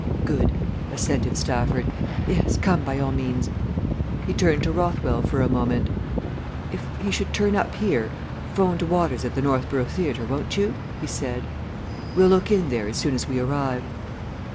"Good!" assented Stafford. "Yes, come by all means." He turned to Rothwell for a moment. "If he should turn up here, 'phone to Waters at the Northborough theatre, won't you?" he said. "We'll look in there as soon as we arrive."